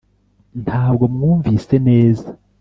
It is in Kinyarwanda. ntabwo wumvise neza